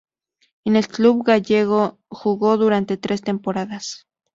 En el club gallego jugó durante tres temporadas.